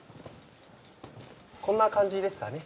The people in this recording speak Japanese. こんな感じですかね？